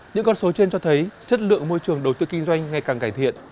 những con số trên cho thấy chất lượng môi trường đầu tư kinh doanh ngày càng cải thiện